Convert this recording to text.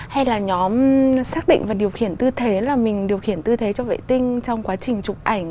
hay là nhóm xác định và điều khiển tư thế là mình điều khiển tư thế cho vệ tinh trong quá trình chụp ảnh